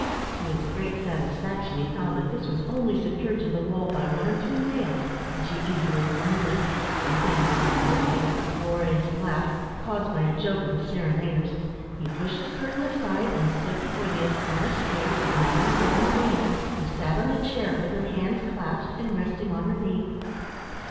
To his great satisfaction he found that this was only secured to the wall by one or two nails, which he easily removed, and then, in the midst of an uproarious laugh, caused by a joke of the serenaders, he pushed the curtain aside, and stood before the astonished gaze of Mademoiselle Nelina, who sat on a chair, with her hands clasped and resting on her knee.